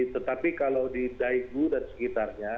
tetapi kalau di daegu dan sekitarnya